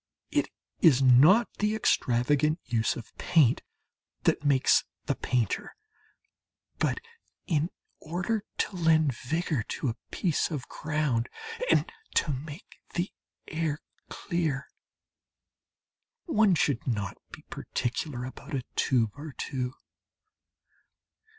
It is not the extravagant use of paint that makes the painter. But, in order to lend vigour to a piece of ground and to make the air clear, one should not be particular about a tube or two.